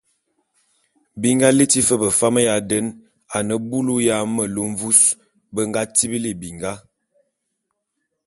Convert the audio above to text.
Bi nga liti fe befam ya den a ne bulu ya melu mvus be nga tibili binga.